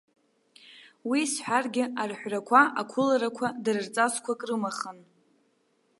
Уи сҳәаргьы, арҳәрақәа, ақәыларақәа дара рҵасқәак рымахын.